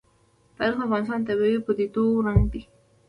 تاریخ د افغانستان د طبیعي پدیدو یو رنګ دی.